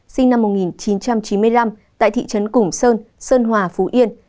sinh năm một nghìn chín trăm chín mươi năm tại thị trấn củng sơn sơn hòa phú yên